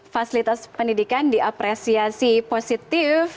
fasilitas pendidikan diapresiasi positif